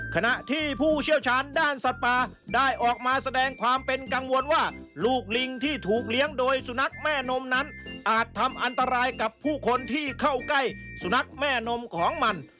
ขณะที่ผู้เชี่ยวชาญด้านสัตว์ป่าได้ออกมาแสดงความเป็นกังวลว่าลูกลิงที่ถูกเลี้ยงโดยสุนัขแม่นมนั้นอาจทำอันตรายกับผู้คนที่เข้าใกล้สุนัขแม่นมของมัน